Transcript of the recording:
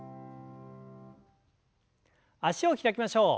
脚を開きましょう。